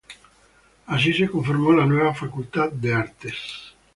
Así se conformó la nueva Facultad de Artes.